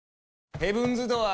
ヘブンズ・ドアー！